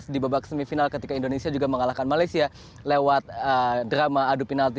di babak semifinal ketika indonesia juga mengalahkan malaysia lewat drama adu penalti